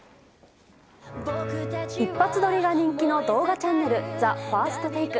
一発撮りが人気の動画チャンネル「ＴＨＥＦＩＲＳＴＴＡＫＥ」。